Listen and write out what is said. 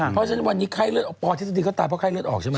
เพราะฉะนั้นวันนี้ไข้เลือดออกปอทฤษฎีก็ตายเพราะไข้เลือดออกใช่ไหม